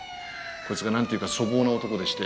こいつがなんていうか粗暴な男でして。